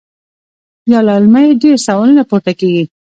يا لا علمۍ ډېر سوالونه پورته کيږي -